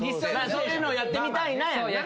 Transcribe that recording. そういうのをやってみたいなやんな？